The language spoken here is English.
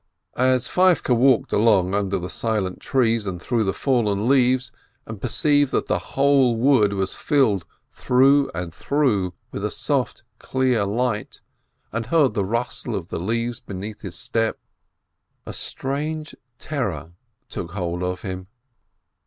As Feivke walked along under the silent trees and through the fallen leaves, and perceived that the whole wood was filled through and through with a soft, clear light, and heard the rustle of the leaves beneath his step, a strange terror took hold of him.